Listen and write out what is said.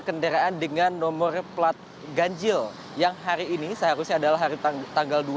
kendaraan dengan nomor plat ganjil yang hari ini seharusnya adalah hari tanggal